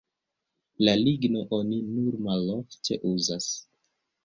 La ligno oni nur malofte uzas.